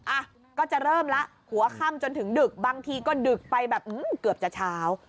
อ่ะก็จะเริ่มแล้วหัวค่ำจนถึงดึกบางทีก็ดึกไปแบบเกือบจะเช้า